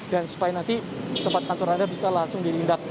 dan supaya nanti tempat kantor anda bisa langsung dilindak